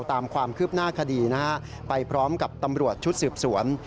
ตามความคืบหน้าคดีนะฮะไปพร้อมกับตำรวจชุดสืบสวน